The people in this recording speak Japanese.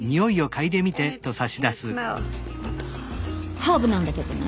ハーブなんだけどね。